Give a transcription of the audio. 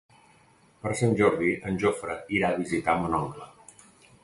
Per Sant Jordi en Jofre irà a visitar mon oncle.